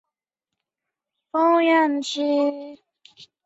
范广人。